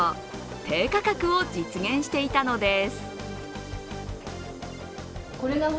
低価格を実現していたのです。